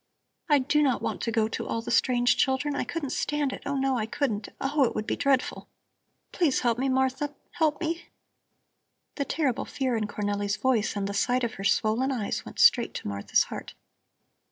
I do not want to go to all the strange children. I couldn't stand it; oh, no, I couldn't! Oh, it would be dreadful. Please help me, Martha, help me!" The terrible fear in Cornelli's voice and the sight of her swollen eyes went straight to Martha's heart.